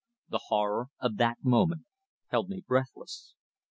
The horror of that moment held me breathless.